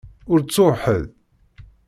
Ur ttuɣ ḥedd?